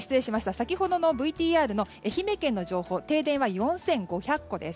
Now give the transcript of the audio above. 先ほどのＶＴＲの愛媛県の情報停電は４５００戸です。